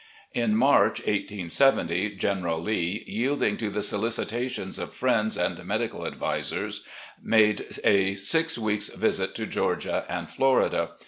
"In March, 1870, General Lee, yielding to the solicita tions of friends and medical advisers, made a six weeks' visit to Georgia and Florida.